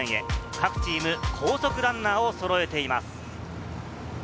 各チーム、高速ランナーを揃えています。